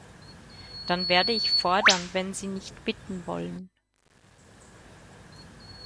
Dann werde ich fordern, wenn Sie nicht bitten wollen.